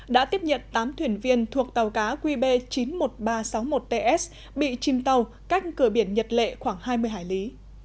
đã tiếp nhận tám thuyền viên thuộc tàu cá qb chín mươi một nghìn ba trăm sáu mươi một ts bị chìm tàu cách cửa biển nhật lệ khoảng hai mươi hải lý